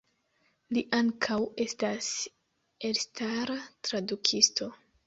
Li ankaŭ estas elstara tradukisto.